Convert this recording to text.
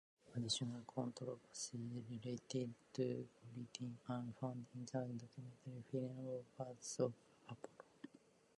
Additional controversy related to Goldin are found in the documentary film, Orphans of Apollo.